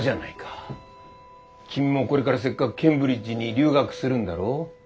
君もこれからせっかくケンブリッジに留学するんだろう？